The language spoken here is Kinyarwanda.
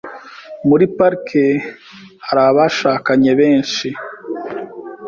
Muri parike hari abashakanye benshi.